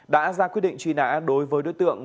đã ra quyết định truy nã đối với đối tượng